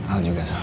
al juga sama